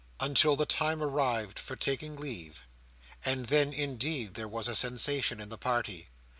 Until the time arrived for taking leave: and then, indeed, there was a sensation in the party.